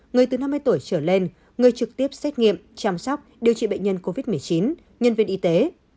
người từ năm mươi tuổi trở lên người trực tiếp xét nghiệm chăm sóc điều trị bệnh nhân covid một mươi chín nhân viên y tế